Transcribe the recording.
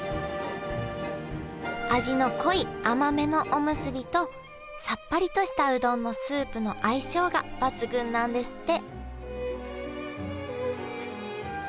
味の濃い甘めのおむすびとさっぱりとしたうどんのスープの相性が抜群なんですって